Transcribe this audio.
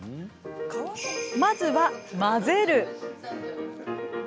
まずは、混ぜる。